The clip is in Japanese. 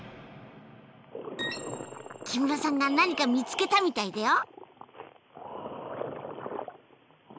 木村さんが何か見つけたみたいだよ。